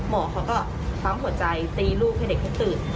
หมอเขาก็ปั๊มหัวใจตีลูกให้เด็กเขาตื่น